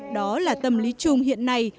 đó là tâm lý chung hiện nay